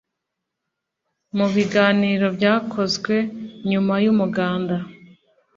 Mu biganiro byakozwe nyuma y’umuganda